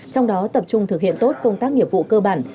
trong đó tập trung thực hiện tốt công tác nghiệp vụ cơ bản